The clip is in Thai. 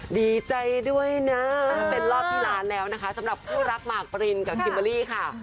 ดีใจด้วยนะเป็นรอบที่ล้านแล้วนะคะสำหรับคู่รักหมากปรินกับคิมเบอร์รี่ค่ะ